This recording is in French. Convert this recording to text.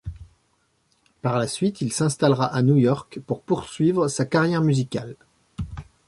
Par la suite, il s'installera à New York pour poursuivre sa carrière musicale.